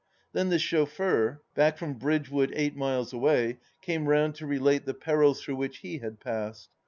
... Then the chauffeur, back from Bridgewood eight miles away, came round to relate the perils through which he had passed.